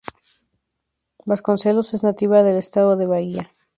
Vasconcellos es nativa del Estado de Bahía.